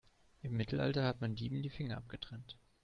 Im Mittelalter hat man Dieben die Finger abgetrennt.